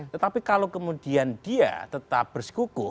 tetapi kalau kemudian dia tetap bersekuku